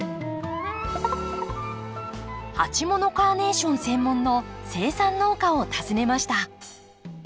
鉢物カーネーション専門の生産農家を訪ねました。